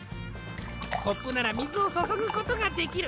コップならみずをそそぐことができる。